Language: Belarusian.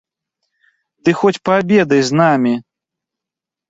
Ды хоць паабедай з намі!